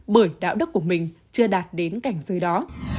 bởi đạo đức của mình chưa đạt đến cảnh giới đó